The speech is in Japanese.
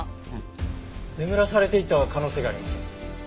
眠らされていた可能性があります。